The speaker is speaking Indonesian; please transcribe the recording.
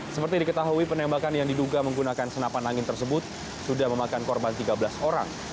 seperti diketahui penembakan yang diduga menggunakan senapan angin tersebut sudah memakan korban tiga belas orang